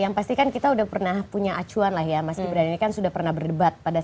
yang pasti kan kita udah pernah punya acuan lah ya mas gibran ini kan sudah pernah berdebat pada masalah ekonomi rakyat